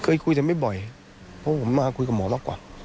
คุยแต่ไม่บ่อยเพราะผมมาคุยกับหมอมากกว่า